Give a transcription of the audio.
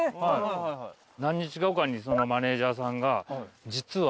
何日後かにそのマネージャーさんが「実は」